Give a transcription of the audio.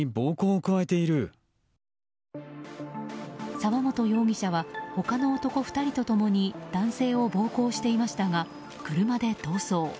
沢本容疑者は他の男２人と共に男性を暴行していましたが車で逃走。